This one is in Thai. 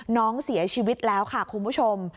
น้องเสียชีวิตแล้วค่ะคุณผู้ชม